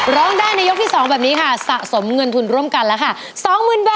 ร้องได้ในยกที่สองแบบนี้ค่ะสะสมเงินทุนร่วมกันแล้วค่ะสองหมื่นแบบ